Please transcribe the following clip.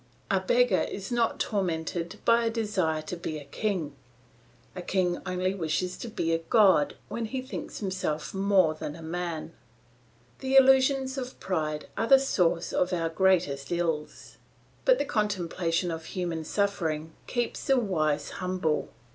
A beggar is not tormented by a desire to be a king; a king only wishes to be a god when he thinks himself more than man. "The illusions of pride are the source of our greatest ills; but the contemplation of human suffering keeps the wise humble.